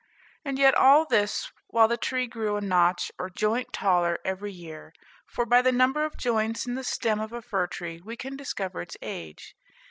And yet all this while the tree grew a notch or joint taller every year; for by the number of joints in the stem of a fir tree we can discover its age.